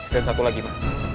dan satu lagi ma